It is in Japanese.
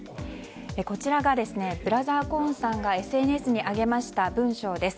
こちらがブラザー・コーンさんがＳＮＳに上げました文章です。